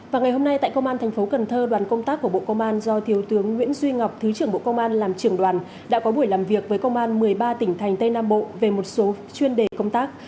vào ngày hôm nay tại công an thành phố cần thơ đoàn công tác của bộ công an do thiếu tướng nguyễn duy ngọc thứ trưởng bộ công an làm trưởng đoàn đã có buổi làm việc với công an một mươi ba tỉnh thành tây nam bộ về một số chuyên đề công tác